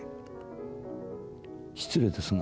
失礼ですが。